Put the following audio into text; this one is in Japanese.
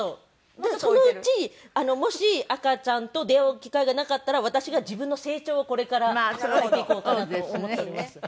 でもそのうちもし赤ちゃんと出会う機会がなかったら私が自分の成長をこれから書いていこうかなと思っております。